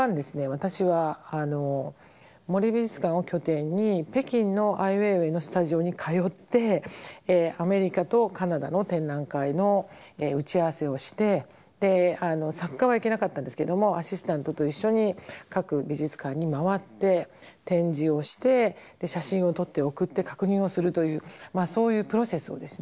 私は森美術館を拠点に北京のアイ・ウェイウェイのスタジオに通ってアメリカとカナダの展覧会の打ち合わせをして作家は行けなかったんですけどもアシスタントと一緒に各美術館に回って展示をして写真を撮って送って確認をするというそういうプロセスをですね